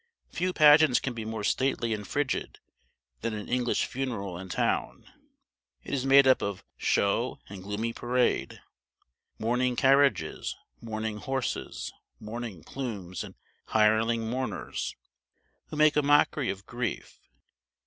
Few pageants can be more stately and frigid than an English funeral in town. It is made up of show and gloomy parade: mourning carriages, mourning horses, mourning plumes, and hireling mourners, who make a mockery of grief.